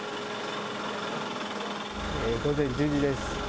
午前１０時です。